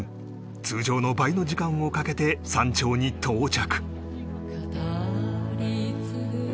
通常の倍の時間をかけて山頂に到着